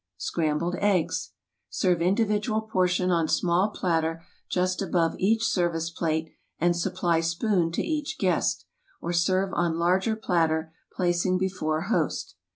Scrambled Eggs SERVE individual portion on small plat ter just above each service plate and supply spoon to each guest; or serve on larger platter, placing before host.